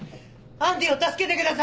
アンディを助けてください！